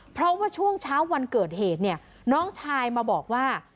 เพราะว่าช่วงเช้าวันเกิดเหตุเนี่ยน้องชายมาบอกว่า